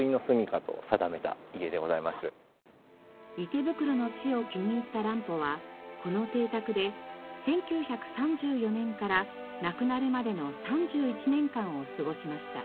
池袋の地を気に入った乱歩はこの邸宅で１９３４年から亡くなるまでの３１年間を過ごしました。